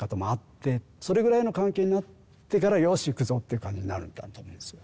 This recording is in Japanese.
それぐらいの関係になってからよし行くぞって感じになるんだと思いますよ。